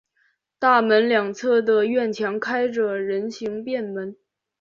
大门两侧的院墙开着人行便门。